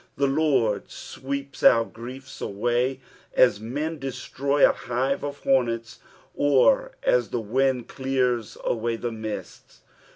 The Lord sweeps our griefs away aa men destroy a hive of hornets, or as tha winds clear away the mists.